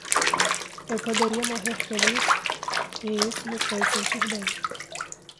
Eu poderia morrer feliz? e isso me fez sentir bem.